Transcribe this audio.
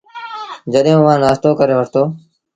جڏهيݩٚ اُئآݩٚ نآشتو ڪري وٺتو تا